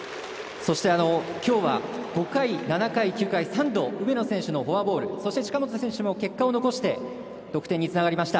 そしてきょうは５回、７回、９回３度、梅野選手のフォアボールそして近本選手も結果を残して得点につながりました。